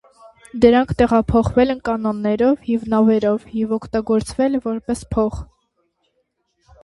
Դրանք տեղափոխվել են կանոեներով և նավերով և օգտագործվել որպես փող։